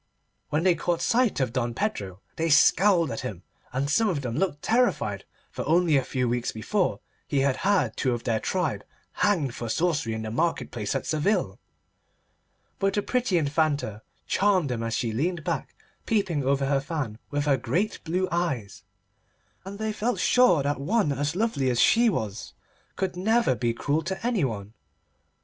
When they caught sight of Don Pedro they scowled at him, and some of them looked terrified, for only a few weeks before he had had two of their tribe hanged for sorcery in the market place at Seville, but the pretty Infanta charmed them as she leaned back peeping over her fan with her great blue eyes, and they felt sure that one so lovely as she was could never be cruel to anybody.